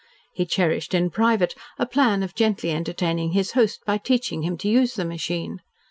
He cherished in private a plan of gently entertaining his host by teaching him to use the machine.